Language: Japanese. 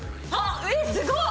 えっすごっ！